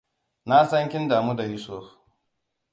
Na san kin damu da Yusuf.